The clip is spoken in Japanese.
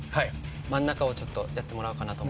真ん中をちょっとやってもらおうかなと思いました。